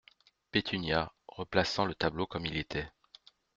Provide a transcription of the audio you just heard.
Pétunia , replaçant le tableau comme il était.